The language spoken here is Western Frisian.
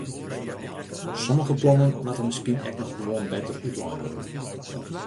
Sommige plannen moatte miskien ek noch gewoan better útlein wurde.